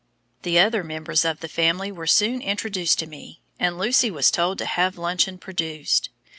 The other members of the family were soon introduced to me, and Lucy was told to have luncheon produced.